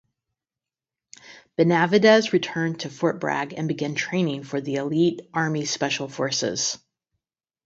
Benavidez returned to Fort Bragg and began training for the elite Army Special Forces.